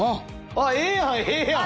あっええやんええやん！